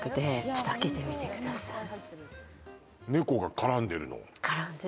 猫が絡んでるの？